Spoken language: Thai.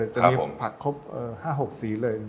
จะมีผักครบห้าหกสี่เลย